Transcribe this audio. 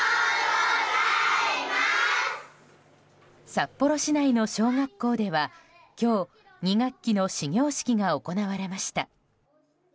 札幌市内の小学校では今日２学期の始業式が行われました。